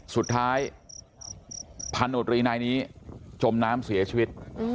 สุดท้ายพันตำรวจรีในนี้จมน้ำเสียชีวิต